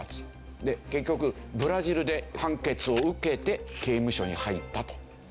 で結局ブラジルで判決を受けて刑務所に入ったと。